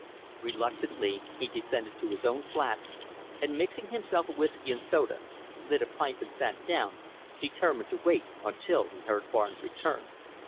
Reluctantly he descended to his own flat, and mixing himself a whisky and soda, lit a pipe and sat down, determined to wait until he heard Barnes return.